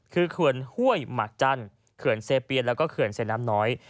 คือเขื่อนห้วยหมักจันทร์เขื่อนเซเปียนแล้วก็เขื่อนเซน้ำน้อย